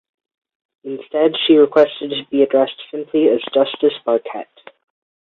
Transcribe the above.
Instead she requested to be addressed simply as Justice Barkett.